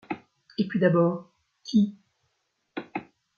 Et puis d’abord : qui ?